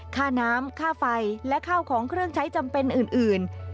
ค่าน้ำค่าไฟและข้าวของเครื่องใช้จำเป็นอื่น